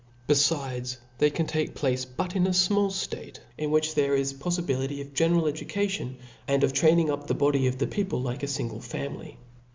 ChapTi* ^ Befides, they cannot take place but in a fmail ftate *, in which there is a poflibility of a general education, and of training up the body of the ped pie like a fingle family.